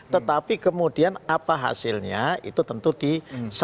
tetapi kemudian apa hasilnya itu tentu tidak bisa